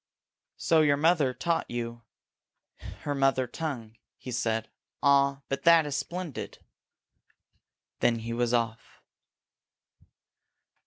"So your mother taught you her mother tongue!" he said. "Ah, but that is splendid!" Then he was off.